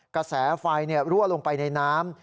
กระแสไฟรั่วลงไปในน้ำ